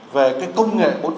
về công nghệ bốn